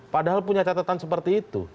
padahal punya catatan seperti itu